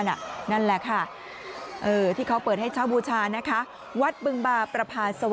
อันนี้ก็เป็นอีกหนึ่งคนที่เขาปลาย